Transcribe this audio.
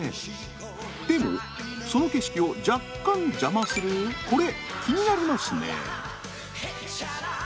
でもその景色を若干邪魔するこれ気になりますね。